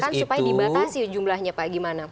supaya dibatasi jumlahnya pak gimana